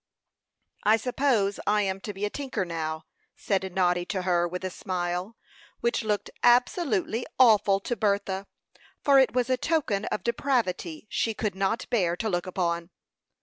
"I suppose I am to be a tinker now," said Noddy to her, with a smile, which looked absolutely awful to Bertha, for it was a token of depravity she could not bear to look upon.